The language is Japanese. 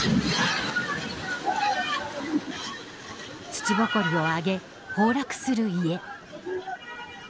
土ぼこりをあげ、崩落する家。